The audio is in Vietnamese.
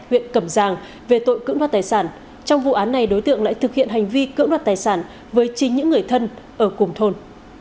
huyện cẩm giang về tội cưỡng đoạt tài sản trong vụ án này đối tượng lại thực hiện hành vi cưỡng đoạt tài sản với chính những người thân ở cùng thôn